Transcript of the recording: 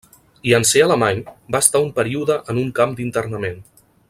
I en ser alemany, va estar un període en un camp d'internament.